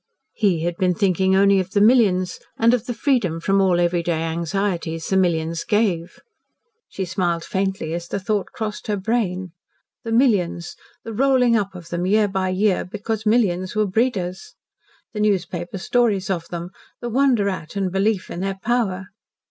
He had been thinking only of the millions and of the freedom from all everyday anxieties the millions gave. She smiled faintly as the thought crossed her brain. The millions! The rolling up of them year by year, because millions were breeders! The newspaper stories of them the wonder at and belief in their power!